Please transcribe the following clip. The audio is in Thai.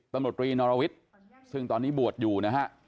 ตำรวจรีนอรวิทย์ซึ่งตอนนี้บวชอยู่นะฮะ